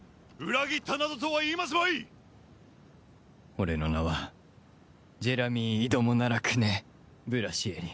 俺の名はジェラミー・イドモナラク・ネ・ブラシエリ。